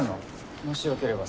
もしよければさ。